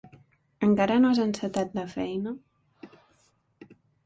Encara no has encetat la feina?